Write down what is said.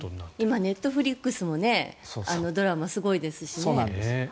今、ネットフリックスもドラマ、すごいですしね。